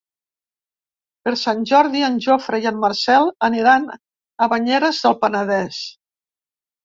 Per Sant Jordi en Jofre i en Marcel aniran a Banyeres del Penedès.